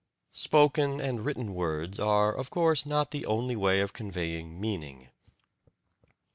Spoken and written words are, of course, not the only way of conveying meaning.